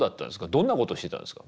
どんなことしてたんですか？